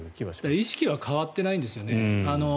意識は変わってないんですよね。